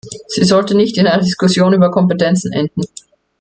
Sie sollte nicht in einer Diskussion über Kompetenzen enden.